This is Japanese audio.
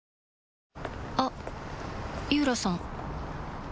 あっ井浦さん